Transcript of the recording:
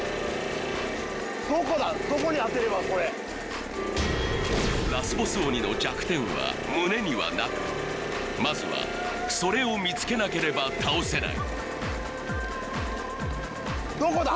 どこだラスボス鬼の弱点は胸にはなくまずはそれを見つけなければ倒せないどこだ？